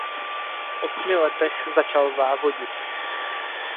V osmi letech začal závodit.